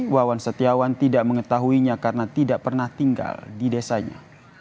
wawan setiawan tidak mengetahuinya karena tidak pernah tinggal di desanya